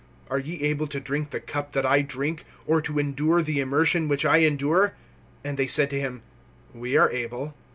Are ye able to drink the cup that I drink, or to endure the immersion which I endure? (39)And they said to him: We are able.